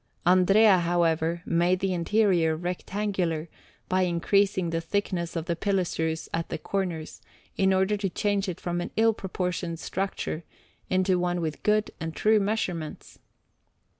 Andrea, however, made the interior rectangular by increasing the thickness of the pilasters at the corners, in order to change it from an ill proportioned structure into one with good and true measurements.